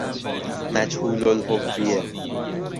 مجهول الهویه